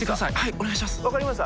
お願いします。